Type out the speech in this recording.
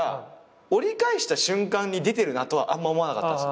折り返した瞬間に出てるなとはあんま思わなかったんすよ。